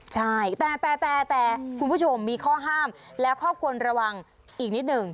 ใช่แต่แต่คุณผู้ชมมีข้อห้ามแล้วข้อควรระวังอีกนิดหนึ่ง